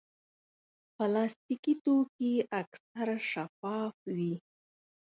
پلاستيکي توکي اکثر شفاف وي.